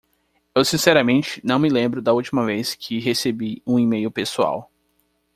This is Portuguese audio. Eu sinceramente não me lembro da última vez que recebi um e-mail pessoal.